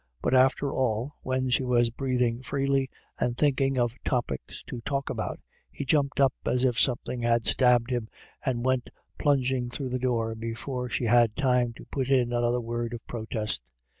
But after all, when she was breathing freely, and thinking of topics to talk about, he jumped up as if something had stabbed him, and went plunging through the door, before she had time to put in another word of protest.